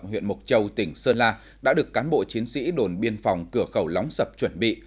huyện mộc châu tỉnh sơn la đã được cán bộ chiến sĩ đồn biên phòng cửa khẩu lóng sập chuẩn bị